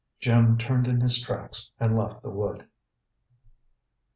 Jim turned in his tracks and left the wood.